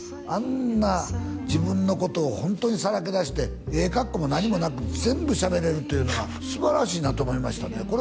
あんな自分のことをホントにさらけ出してええカッコも何もなく全部しゃべれるというのは素晴らしいなと思いましたね